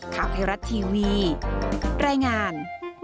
ข้าวไทยรัตน์ทีวีแร่งาน